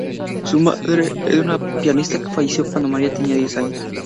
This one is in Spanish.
Su madre era una pianista que falleció cuando Maria tenía diez años.